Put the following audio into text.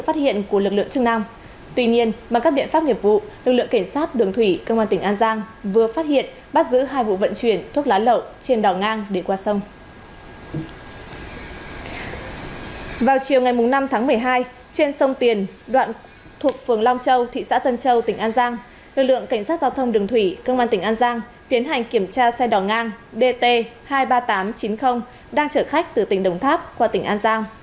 vào chiều ngày năm tháng một mươi hai trên sông tiền đoạn thuộc phường long châu thị xã tân châu tỉnh an giang lực lượng cảnh sát giao thông đường thủy cơ quan tỉnh an giang tiến hành kiểm tra xe đỏ ngang dt hai mươi ba nghìn tám trăm chín mươi đang chở khách từ tỉnh đồng tháp qua tỉnh an giang